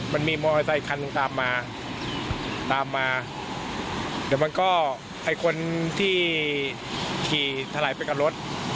มันมีมอเตอร์ไซคันหนึ่งตามมาตามมาเดี๋ยวมันก็ไอ้คนที่ขี่ถลายไปกับรถ